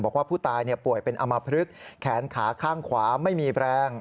บอกว่าผู้ตายป่วยเป็นอมพลึกแขนขาข้างขวาไม่มีแรง